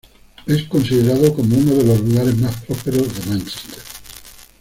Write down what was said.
Es considerado como una de los lugares más prósperos de Mánchester.